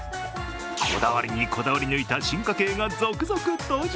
こだわりにこだわり抜いた進化系が続々登場。